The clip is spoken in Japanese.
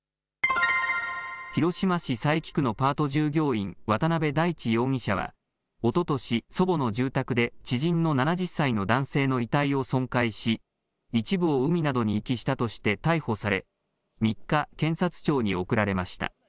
広島市佐伯区のパート従業員、渡部大地容疑者は、おととし、祖母の住宅で知人の７０歳の男性の遺体を損壊し、一部を海などに遺棄したとして逮捕され、３日、検察庁に送られました。